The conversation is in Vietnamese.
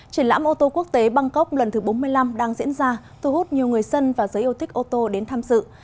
triển lãm ô tô quốc tế bangkok lần thứ bốn mươi năm đang diễn ra thu hút nhiều người dân và giới yêu thích ô tô đến tham dự